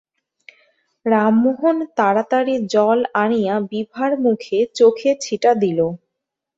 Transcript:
রামমোহন তাড়াতাড়ি জল আনিয়া বিভার মুখে চোখে ছিটা দিল।